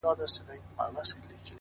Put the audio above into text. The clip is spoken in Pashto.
خدايه دا ټـپه مي په وجود كـي ده’